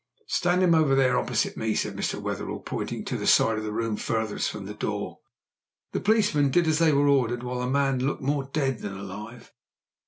"Stand him over there opposite me," said Mr. Wetherell, pointing to the side of the room furthest from the door. The policemen did as they were ordered, while the man looked more dead than alive.